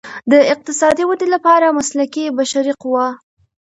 د اقتصادي ودې لپاره مسلکي بشري قوه.